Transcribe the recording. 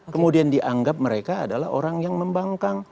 kemudian dianggap mereka adalah orang yang membangkang